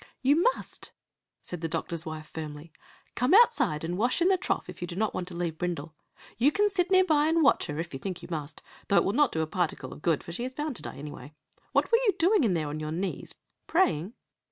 "You must," said the doctor's wife, firmly. "Come outside and wash in the trough if you do not want to leave Brindle. You can sit near by and watch her, if you think you must, though it will not do a particle of good, for she is bound to die anyway. What were you doing in there on your knees praying?"